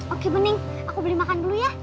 oke mending aku beli makan dulu ya